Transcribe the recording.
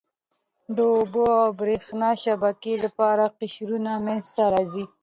د اوبو او بریښنا شبکې لپاره قشرونه منځته راځي.